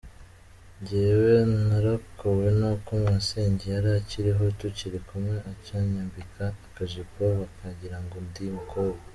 Njyewe narokowe n’uko masenge yari akiriho tukiri kumwe akanyambika akajipo bakagirango ndi umukobwa.